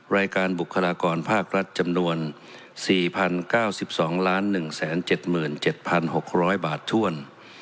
รายการบุคลากรภาครัฐจำนวน๔๐๙๒๑๗๗๖๐๐บาทถ้วน